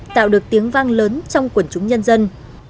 tạo được tiếng vang lớn trong quần chúng nhân dân